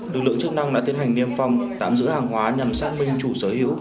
lực lượng chức năng đã tiến hành niêm phong tạm giữ hàng hóa nhằm xác minh chủ sở hữu